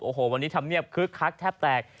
โอ้โหวันนี้ทำเมียบคลึกคลักแทบแตก